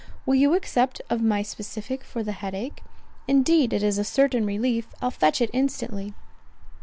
Will you accept of my specific for the head ache? Indeed it is a certain relief—I'll fetch it instantly."